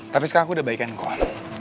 tapi sekarang aku udah baikin kok